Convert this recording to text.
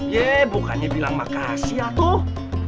yeh bukannya bilang makasih ya tuh